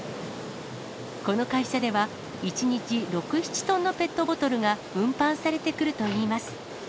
この会社では、１日６、７トンのペットボトルが運搬されてくるといいます。